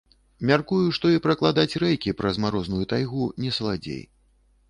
Мяркую, што і пракладаць рэйкі праз марозную тайгу не саладзей.